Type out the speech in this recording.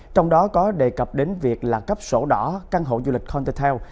trong đó có đề cập đến việc là cấp sổ đỏ căn hộ du lịch contel